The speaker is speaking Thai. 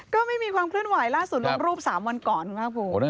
ก็ไม่มีความเคลื่อนไหวล่าสุดลงรูป๓วันก่อนคุณภาคภูมิ